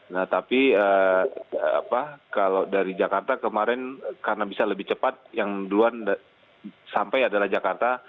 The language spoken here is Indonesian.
nah tapi kalau dari jakarta kemarin karena bisa lebih cepat yang duluan sampai adalah jakarta